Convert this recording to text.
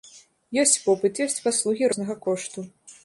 Ёсць попыт, ёсць паслугі рознага кошту.